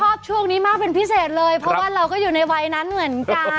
ชอบช่วงนี้มากเป็นพิเศษเลยเพราะว่าเราก็อยู่ในวัยนั้นเหมือนกัน